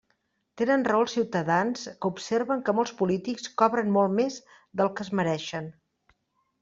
Tenen raó els ciutadans que observen que molts polítics cobren molt més del que es mereixen.